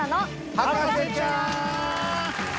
『博士ちゃん』！